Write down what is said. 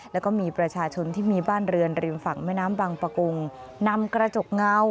แล้วก็มีประชาชนที่มีบ้านเรือนริมฝั่งแม่น้ำบางประกงนำกระจกเงา